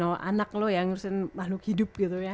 kalau anak lo yang ngurusin lalu hidup gitu ya